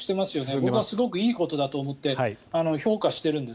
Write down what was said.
僕はすごくいいことだと思って評価しているんです